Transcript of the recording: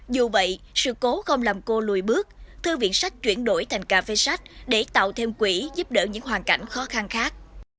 dù vậy sự cố không làm cô lùi bước thư viện sách chuyển đổi thành cà phê sách để tạo thêm quỹ giúp đỡ những hoàn cảnh khó khăn khác